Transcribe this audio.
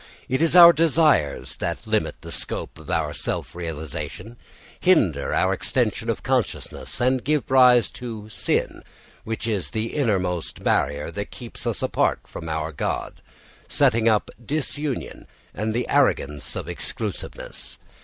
It is our desires that limit the scope of our self realisation, hinder our extension of consciousness, and give rise to sin, which is the innermost barrier that keeps us apart from our God, setting up disunion and the arrogance of exclusiveness.